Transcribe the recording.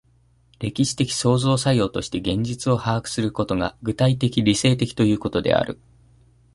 歴史的創造作用として現実を把握することが、具体的理性的ということである。